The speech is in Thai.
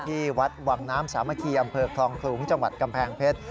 ที่วัดวังน้ำสามัคคีอำเภอคลองขลุงจังหวัดกำแพงเพชร